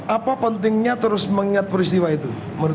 apa pentingnya terus mengingat peristiwa itu